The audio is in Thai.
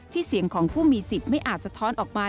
ที่เสียงของผู้มี๑๐ไม่อาจสะท้อนออกมา